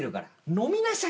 飲みなさい。